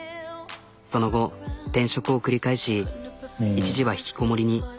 その後転職を繰り返し一時は引きこもりに。